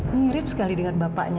mirip sekali dengan bapaknya